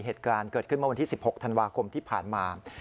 เหตุการณ์เกิดขึ้นเมื่อวันที่๑๖ธันวาคมที่ผ่านมา